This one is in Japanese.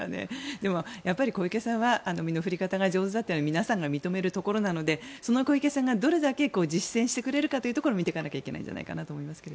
でも、小池さんは身の振り方が上手だというのは皆さんが認めるところなのでその小池さんがどれだけ実践してくれるかというところを見ていかなきゃいけないんじゃないかなと思います。